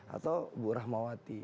atau bu rahmawati